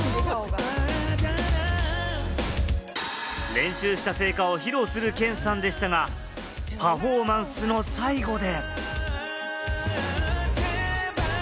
練習した成果を披露するケンさんでしたが、パフォーマンスの最後で。